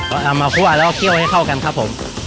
ก็เอามาคั่วแล้วก็เคี่ยวให้เข้ากันครับผม